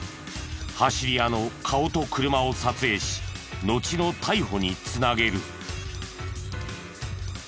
走り屋の顔と車を撮影しのちの逮捕に繋げる。